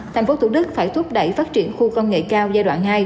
tp thủ đức phải thúc đẩy phát triển khu công nghệ cao giai đoạn hai